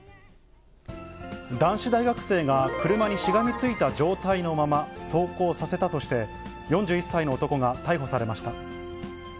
男子大学生が車にしがみついた状態のまま走行させたとして、４１歳の男が逮捕されました。